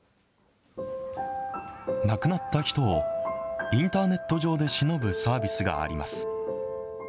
亡くなった人をインターネット上でしのぶサービスがあります。